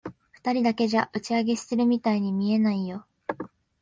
二人だけじゃ、打ち上げしてるみたいに見えないよ。